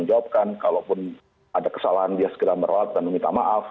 menjawabkan kalaupun ada kesalahan dia segera merawat dan meminta maaf